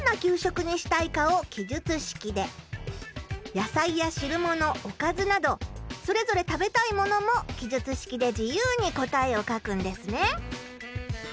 野菜や汁ものおかずなどそれぞれ食べたいものも記述式で自由に答えを書くんですね。